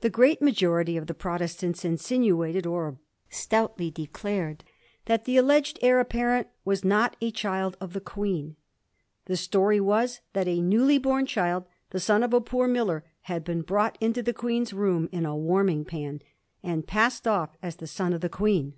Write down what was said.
The great majority of the Protestants insinuated, or stoutly declared, that the alleged heir apparent was not a child of the Queen. The story was that a newly born child, the son of a poor miller, had been brought into the Queen's room in a warming pan, and passed off as the son of the Queen.